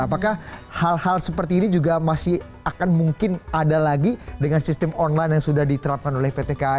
apakah hal hal seperti ini juga masih akan mungkin ada lagi dengan sistem online yang sudah diterapkan oleh pt kai